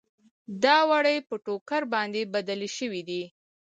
دا وړۍ په ټوکر باندې بدلې شوې دي.